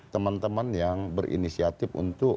teman teman yang berinisiatif untuk